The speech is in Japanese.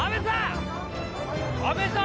阿部さん